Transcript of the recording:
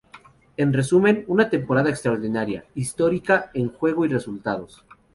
En resumen, una temporada extraordinaria, histórica, en juego y resultados.